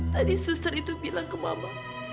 tadi suster itu bilang ke mama